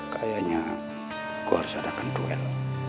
kayaknya gue harus adakan duel